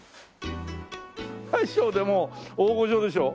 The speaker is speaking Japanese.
大将でも大御所でしょ。